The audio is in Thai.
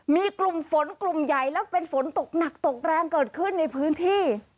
มีกลุ่มฝนกลุ่มใหญ่แล้วเป็นฝนตกหนักตกแรงเกิดขึ้นในพื้นที่